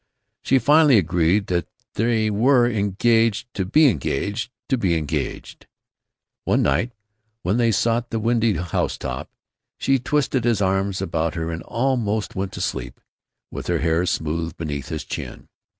She finally agreed that they were engaged to be engaged to be engaged. One night when they sought the windy housetop, she twined his arms about her and almost went to sleep, with her hair smooth beneath his chin.